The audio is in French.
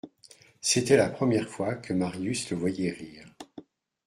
C'était la première fois que Marius le voyait rire.